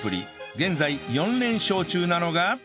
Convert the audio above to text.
現在４連勝中なのが